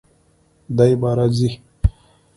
دی باره ځي!